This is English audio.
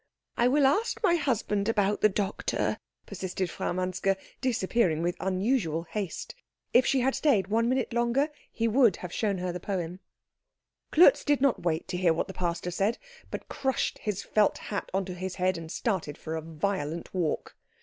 "I will ask my husband about the doctor," persisted Frau Manske, disappearing with unusual haste. If she had stayed one minute longer he would have shown her the poem. Klutz did not wait to hear what the pastor said, but crushed his felt hat on to his head and started for a violent walk.